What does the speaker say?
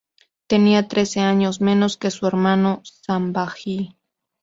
Tenía trece años menos que su hermano, Sambhaji.